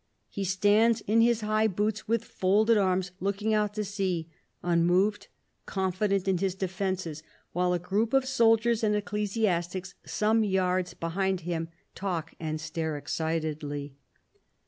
He stands in his high boots, with folded arms, looking out to sea, unmoved, confident in his defences ; while a group of soldiers and ecclesiastics, some yards behind him, talk and stare excitedly.